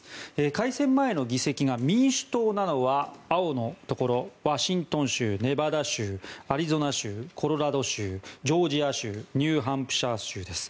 改選前の議席が民主党は青のところワシントン州ネバダ州、アリゾナ州コロラド州、ジョージア州ニューハンプシャー州です。